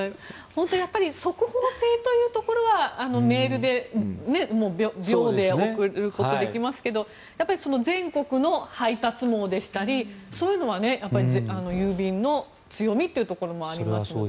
本当に速報性というところはメールで秒で送ることができますけど全国の配達網でしたりそういうのは郵便の強みというところもありますので。